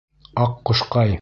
Аҡҡошҡай!..